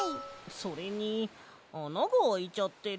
それにあながあいちゃってる。